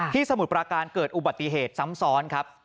สมุทรปราการเกิดอุบัติเหตุซ้ำซ้อนครับ